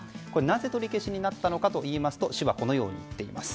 なぜ取り消しになったのかといいますと市はこのように言っています。